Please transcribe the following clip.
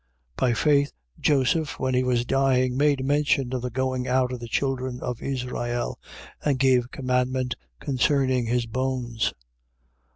By faith Joseph, when he was dying, made mention of the going out of the children of Israel and gave commandment concerning his bones.